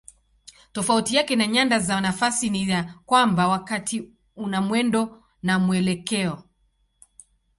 Tofauti yake na nyanda za nafasi ni ya kwamba wakati una mwendo na mwelekeo.